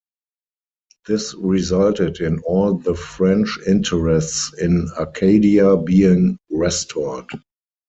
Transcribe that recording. This resulted in all the French interests in Acadia being restored.